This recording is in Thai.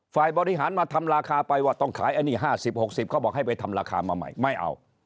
ฝ่ายบริหารมาทำราคาไปว่าต้องขายอันนี้๕๐๖๐เขาบอกให้ไปทำราคามาใหม่ไม่เอา